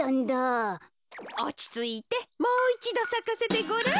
おちついてもういちどさかせてごらん。